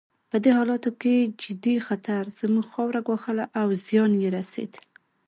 په دې حالاتو کې جدي خطر زموږ خاوره ګواښله او زیان یې رسېد.